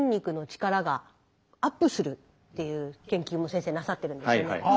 っていう研究も先生なさってるんですよね。